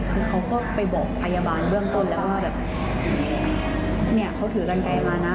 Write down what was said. คือเขาก็ไปบอกพยาบาลเบื้องต้นแล้วว่าแบบเนี่ยเขาถือกันไกลมานะ